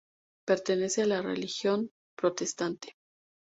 Pertenece a la religión protestante.